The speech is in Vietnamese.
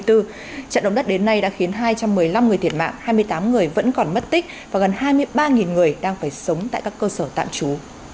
trận động đất đến nay đã khiến hai trăm một mươi năm người thiệt mạng hai mươi tám người vẫn còn mất tích và gần hai mươi ba người đang phải sống tại các cơ sở tạm trú